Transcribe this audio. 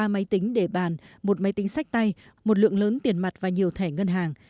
ba máy tính để bàn một máy tính sách tay một lượng lớn tiền mặt và nhiều thẻ ngân hàng